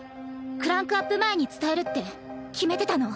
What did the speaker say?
クランクアップ前に伝えるって決めてたの。